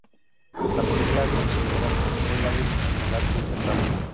La policía la considera muy hábil en el arte de la estafa.